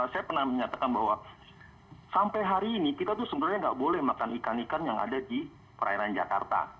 saya pernah menyatakan bahwa sampai hari ini kita tuh sebenarnya nggak boleh makan ikan ikan yang ada di perairan jakarta